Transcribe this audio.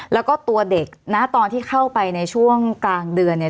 แล้วก็ตัวเด็กนะตอนที่เข้าไปในช่วงกลางเดือนเนี่ย